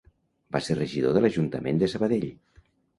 Va ser regidor de l’Ajuntament de Sabadell.